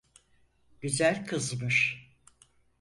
Güzel kızmış.